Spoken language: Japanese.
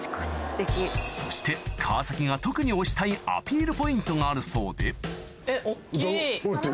そして川崎が特に推したいアピールポイントがあるそうでえっ大っきい。